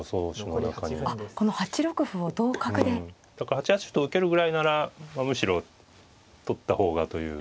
８八歩と受けるぐらいならむしろ取った方がという。